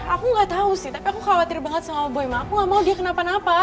aku gak tau sih tapi aku khawatir banget sama boyma aku gak mau dia kenapa napa